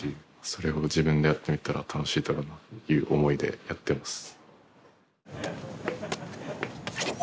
それを自分がやってみたら楽しいだろうなっていう思いでやってます。